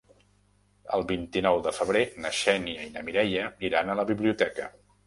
El vint-i-nou de febrer na Xènia i na Mireia iran a la biblioteca.